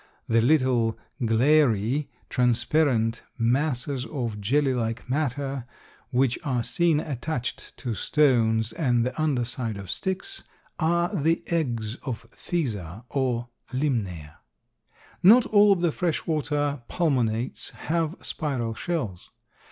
The little glairy, transparent masses of jelly like matter which are seen attached to stones and the under side of sticks, are the eggs of Physa or Limnaea. Not all of the fresh water pulmonates have spiral shells.